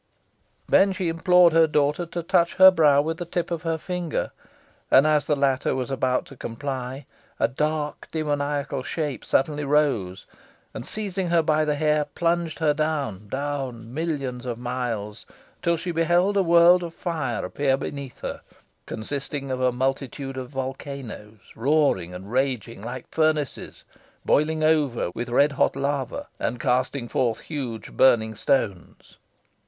Then she implored her daughter to touch her brow with the tip of her finger; and, as the latter was about to comply, a dark demoniacal shape suddenly rose, and, seizing her by the hair, plunged with her down down millions of miles till she beheld a world of fire appear beneath her, consisting of a multitude of volcanoes, roaring and raging like furnaces, boiling over with redhot lava, and casting forth huge burning stones.